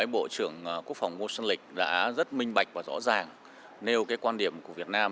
bộ trưởng quốc phòng ngô xuân lịch đã rất minh bạch và rõ ràng nêu cái quan điểm của việt nam